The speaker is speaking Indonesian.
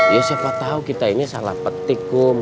ya siapa tau kita ini salah petik kum